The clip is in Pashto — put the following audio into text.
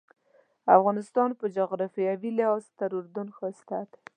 افغانستان په جغرافیوي لحاظ تر اردن ښایسته دی.